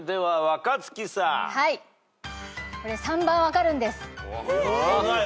３番分かるんです。